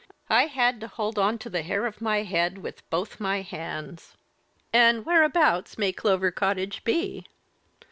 I had to hold on to the hair of my head with both my hands. 'And whereabouts may Clover Cottage be?'